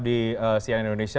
di cnn indonesia